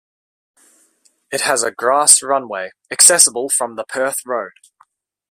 It has a grass runway, accessible from the Perth Road.